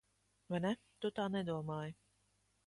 Vai ne? Tu tā nedomāji.